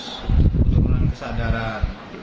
untuk menurut kesadaran